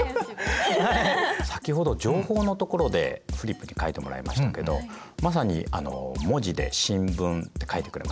先ほど情報のところでフリップに書いてもらいましたけどまさに文字で「新聞」って書いてくれましたよね。